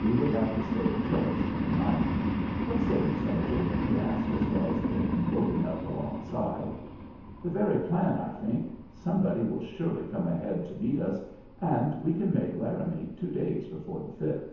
We would have to stay at Phillips's for the night. What say you, sergeant?" he asked, as Wells came loping up alongside. "The very plan, I think. Somebody will surely come ahead to meet us, and we can make Laramie two days before the Fifth."